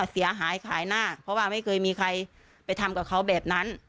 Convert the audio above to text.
เสียหายขายหน้าเพราะว่าไม่เคยมีใครไปทำกับเขาแบบนั้น